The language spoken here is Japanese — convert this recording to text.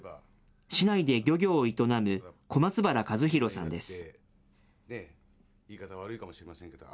市内で漁業を営む小松原和弘さんです。